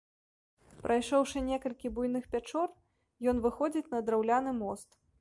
Прайшоўшы некалькі буйных пячор, ен выходзіць на драўляны мост.